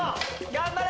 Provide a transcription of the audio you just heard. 頑張れ！